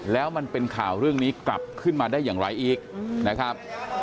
แล้วมันเป็นข่าวเรื่องนี้กลับขึ้นมาได้อย่างไรอีกนะครับ